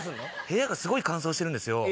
部屋がすごい乾燥してるんですよ